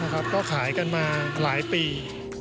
ก็ขายกันมาหลายปี